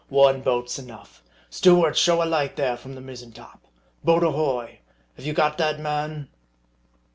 " One boat's enough. Steward ! show a light there from the mizzeii top. Boat ahoy ! Have you got that man